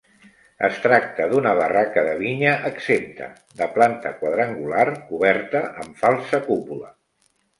Es tracta d'una barraca de vinya exempta, de planta quadrangular, coberta amb falsa cúpula.